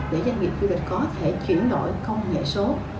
để doanh nghiệp du lịch có thể chuyển đổi công nghệ số